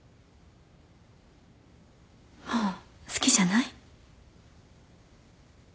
もう好きじゃない？